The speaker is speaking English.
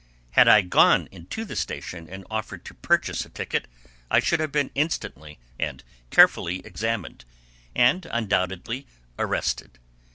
Had I gone into the station and offered to purchase a ticket, I should have been instantly and carefully examined, and undoubtedly arrested.